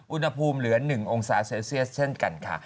อุณหภูมิเหลือ๑องศาเซลเซียสเช่นกันค่ะ